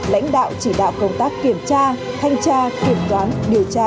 lãnh đạo chỉ đạo công tác kiểm tra thanh tra kiểm toán điều tra